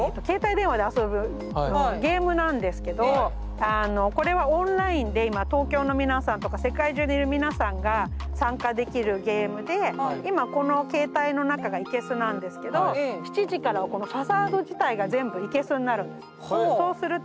携帯電話で遊ぶゲームなんですけどこれはオンラインで今東京の皆さんとか世界中にいる皆さんが参加できるゲームで今この携帯の中が生けすなんですけど７時からはこのファサード自体が全部生けすになるんです。